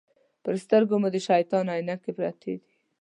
پر سترګو مو د شیطان عینکې پرتې دي.